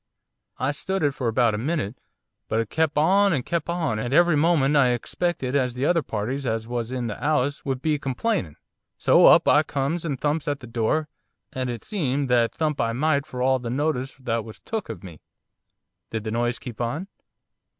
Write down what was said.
I stood it for about a minute, but it kep' on, and kep' on, and every moment I expected as the other parties as was in the 'ouse would be complainin', so up I comes and I thumps at the door, and it seemed that thump I might for all the notice that was took of me.' 'Did the noise keep on?